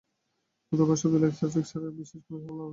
নতুবা শুধু লেকচার-ফেকচারে বিশেষ কোন ফল হবে না।